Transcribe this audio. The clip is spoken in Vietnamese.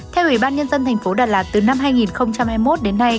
theo ủy ban nhân dân thành phố đà lạt từ năm hai nghìn hai mươi một đến nay